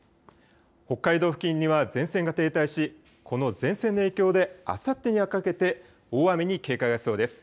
北海道付近には前線が停滞しこの前線の影響であさってにかけて大雨に警戒が必要です。